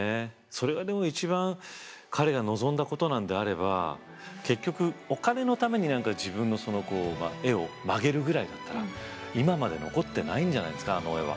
それはでも一番彼が望んだことなのであれば結局お金のために何か自分の絵を曲げるぐらいだったら今まで残ってないんじゃないんですかあの絵は。